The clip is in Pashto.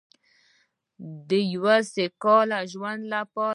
د یو سوکاله ژوند لپاره.